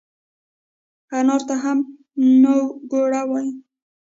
انار ته هم نووګوړه وای